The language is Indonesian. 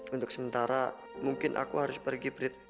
untuk sementara mungkin aku harus pergi brid